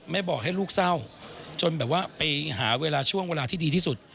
บอกให้ลูกเศร้าจนแบบว่าไปหาเวลาช่วงเวลาที่ดีที่สุด